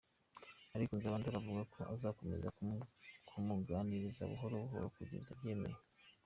Ariko Nzabandora avuga ko azakomeza kumuganiriza buhoro buhoro kugeza abyemeye.